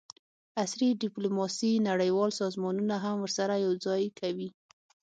عصري ډیپلوماسي نړیوال سازمانونه هم ورسره یوځای کوي